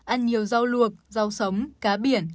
ăn nhiều rau luộc rau sống cá biển